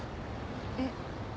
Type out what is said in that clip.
えっ？